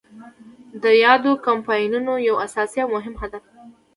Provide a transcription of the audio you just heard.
دا د یادو کمپاینونو یو اساسي او مهم هدف دی.